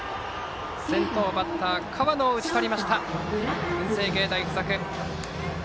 先頭バッターの河野を打ち取りました、文星芸大付属。